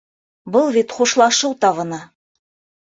Был бит хушлашыу табыны!